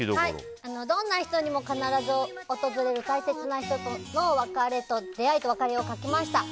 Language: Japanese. どんな人にも必ず訪れる大切な人との出会いと別れを書きました。